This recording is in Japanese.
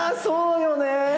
そうよね。